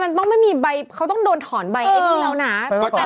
มันต้องไม่มีใบเขาต้องโดนถอนใบนี้เพียงเรา